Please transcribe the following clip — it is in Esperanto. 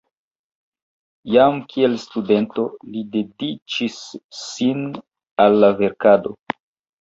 Jam kiel studento li dediĉis sin al la verkado.